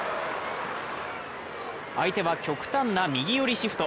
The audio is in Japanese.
相手は極端な右寄りシフト。